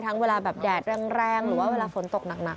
ทั้งเวลาแดดแรงหรือว่าเวลาฝนตกหนัก